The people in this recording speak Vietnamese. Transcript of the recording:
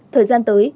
thời gian tới